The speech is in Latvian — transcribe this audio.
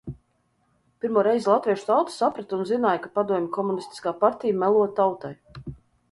Pirmo reizi latviešu tauta saprata un zināja, ka padomju komunistiskā partija melo tautai.